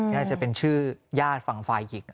น่าจะเป็นชื่อญาติฝั่งฝ่ายหญิง